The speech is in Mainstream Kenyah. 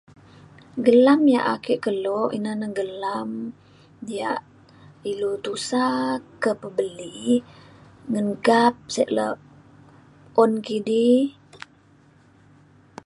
gelam yak ake kelo ina na gelam diak ilu tusa ke pebeli ngan gap sek le un kidi